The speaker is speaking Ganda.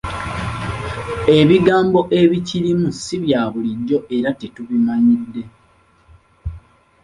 Ebigambo ebikirimu si bya bulijjo era tetubimanyidde.